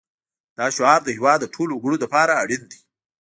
دا شعار د هېواد د ټولو وګړو لپاره اړین دی